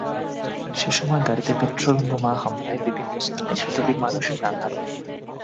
সেময় গাড়িতে পেট্রল বোমা হামলায় বিভিন্ন স্থানে শতাধিক মানুষ প্রাণ হারান।